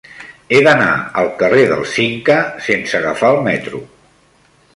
He d'anar al carrer del Cinca sense agafar el metro.